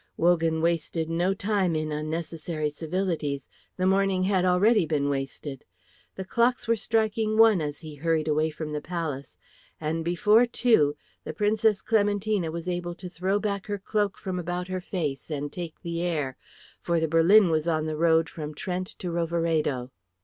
Wogan wasted no time in unnecessary civilities; the morning had already been wasted. The clocks were striking one as he hurried away from the palace, and before two the Princess Clementina was able to throw back her cloak from about her face and take the air; for the berlin was on the road from Trent to Roveredo.